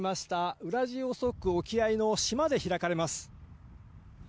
ウラジオストク沖合いの島で、開かれます。